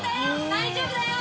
大丈夫だよ！